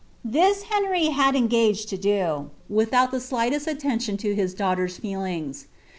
This Henry had engaged lo do, without the slighiesl attention to his daughter^x feelings.